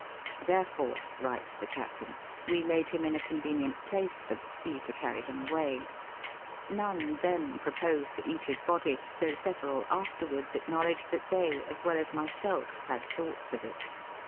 "Therefore," writes the captain, '• we laid him in a convenient place for the sea to carry him away. None then pr 'j to rat his body, thotiuh several afterwards acknowledged that tl.cy, as well as myself, had thoughts of it."